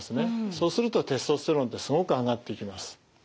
そうするとテストステロンってすごく上がっていきます。